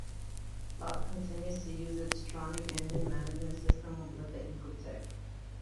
Saab continues to use its Trionic engine management system with the Ecotec.